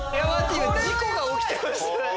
事故が起きてます。